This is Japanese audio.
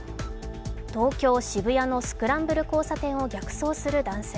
東京・渋谷のスクランブル交差点を逆走する男性。